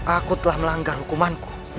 aku telah melanggar hukumanku